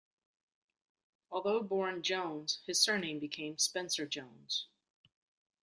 Although born "Jones", his surname became "Spencer Jones".